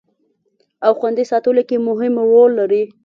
او خوندي ساتلو کې مهم رول لري